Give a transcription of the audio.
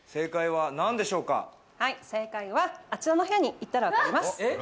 正解はあちらの部屋に行ったら分かります。